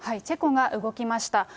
チェコが動きました。